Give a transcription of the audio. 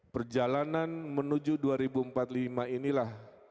perjalanan menuju dua ribu empat puluh lima inilah